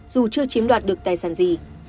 dù chưa chiếm đoạt được tài sản gì